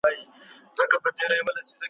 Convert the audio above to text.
نن مي هغه زیارت په کاڼو ولم `